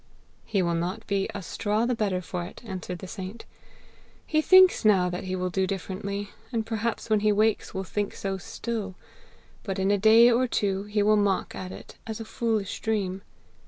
'He will not be a straw the better for it!' answered the saint. 'He thinks now that he will do differently, and perhaps when he wakes will think so still; but in a day or two he will mock at it as a foolish dream.